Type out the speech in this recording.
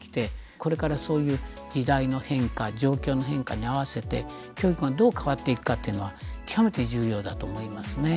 これからそういう時代の変化状況の変化に合わせて教育がどう変わっていくかっていうのは極めて重要だと思いますね。